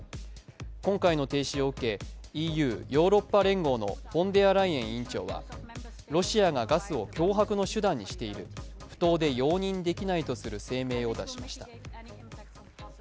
今回の停止を受け、ＥＵ＝ヨーロッパ連合のフォンデアライエン委員長は、ロシアがガスを脅迫の手段にしている、不当で容認できないとする声明を出しました。